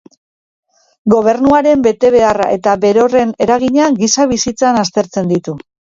Gobernuaren betebeharra eta berorren eragina giza bizitzan aztertzen ditu.